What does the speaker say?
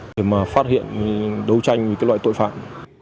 để mà phát hiện đấu tranh với cái loại tội phạm